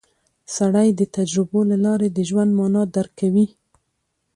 سړی د تجربو له لارې د ژوند مانا درک کوي